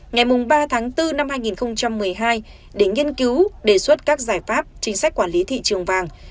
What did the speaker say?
ngày ba tháng bốn năm hai nghìn một mươi hai để nghiên cứu đề xuất các giải pháp chính sách quản lý thị trường vàng